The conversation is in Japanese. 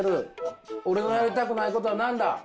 俺のやりたくないことは何だ？